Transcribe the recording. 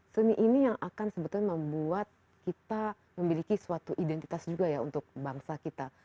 seni ini yang akan sebetulnya membuat kita memiliki suatu identitas juga ya untuk bangsa kita